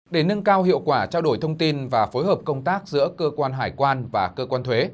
để nâng cao hiệu quả trao đổi thông tin và phối hợp công tác giữa cơ quan hải quan và cơ quan thuế